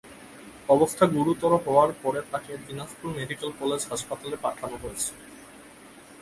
অবস্থা গুরুতর হওয়ায় পরে তাকে দিনাজপুর মেডিকেল কলেজ হাসপাতালে পাঠানো হয়েছে।